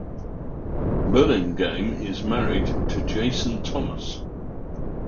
Burlingame is married to Jason Thomas.